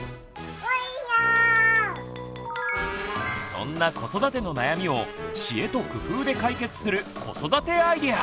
そんな子育ての悩みを知恵と工夫で解決する子育てアイデア！